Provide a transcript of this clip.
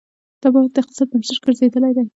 دا باور د اقتصاد بنسټ ګرځېدلی دی.